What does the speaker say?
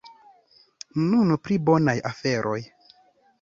Nun pri bonaj aferoj.